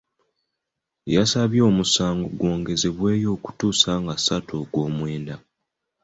Yasabye omusango gwongezebweyo okutuusa nga ssatu Ogwomwenda.